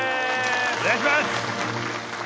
お願いします！